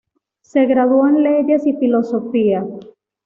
Se graduó en leyes y filosofía.